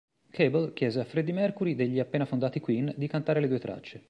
Cable chiese a Freddie Mercury degli appena fondati Queen di cantare le due tracce.